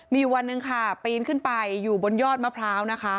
มีวันหนึ่งค่ะปีนขึ้นไปอยู่บนยอดมะพร้าวนะคะ